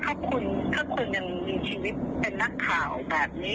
ถ้าคุณถ้าคุณยังมีชีวิตเป็นนักข่าวแบบนี้